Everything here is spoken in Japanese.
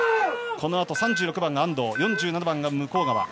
このあと３６番、安藤４７番が向川。